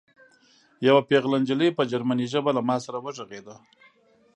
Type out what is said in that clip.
یوه پېغله نجلۍ په جرمني ژبه له ما سره وغږېده